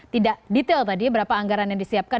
tidak detail tadi berapa anggaran yang disiapkan